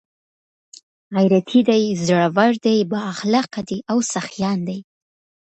، غيرتي دي، زړور دي، بااخلاقه دي او سخيان دي